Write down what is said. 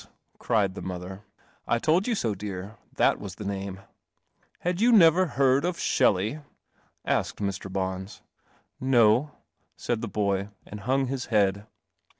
cried the mother; "I told) I , lear. That Was the name." •• Had you never heard of Shelley?" asked Mr. Bons. "No," aid the boy, and hung his head.